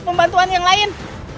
pembantuan yang lain